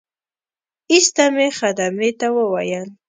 ایسته مې خدمې ته وویل.